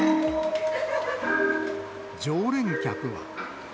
常連客は。